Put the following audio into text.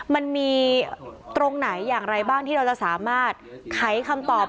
มันมีตรงไหนอย่างไรบ้างที่เราจะสามารถไขคำตอบ